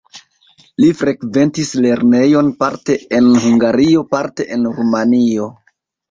Li frekventis lernejon parte en Hungario, parte en Rumanio.